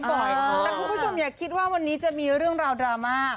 แต่คุณผู้ชมอย่าคิดว่าวันนี้จะมีเรื่องราวดราม่า